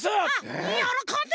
うんよろこんで！